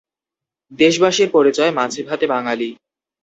দেশবাসীর পরিচয় মাছে ভাতে বাঙালি।